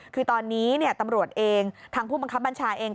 คือตอนนี้ตำรวจเองทางผู้บังคับบัญชาเอง